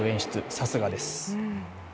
さすがです。